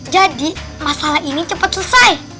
jadi masalah ini cepat selesai